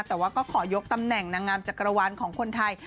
แต่ว่าก็ขอยกตำแหน่งนางงามจักรวาลของคนไทย